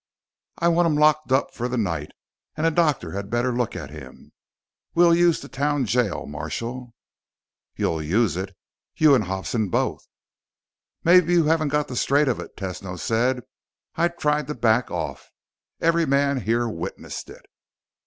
"I want him locked up for the night. And a doctor had better look at him. We'll use the town jail, Marshal." "You'll use it. You and Hobson both." "Maybe you haven't got the straight of it," Tesno said. "I tried to back off. Every man here witnessed it."